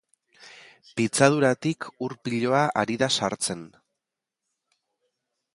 Pitzaduratik ur piloa ari da sartzen.